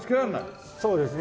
そうですね